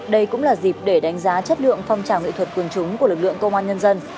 đây cũng là dịp để đánh giá chất lượng phong trào nghệ thuật quần chúng của lực lượng công an nhân dân